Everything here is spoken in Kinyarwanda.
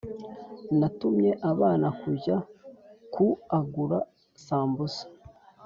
Natumye abana kujya kuagura sambusa